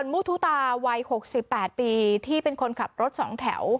ผู้ตาตาม่ายหกสิบแปดปีที่เป็นคนขับรถสองแถว